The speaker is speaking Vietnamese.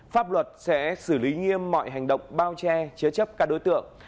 pháp luật sẽ xử lý nghiêm mọi hành động bao che chế chấp các đối tượng